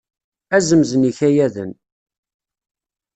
Azemz n yikayaden.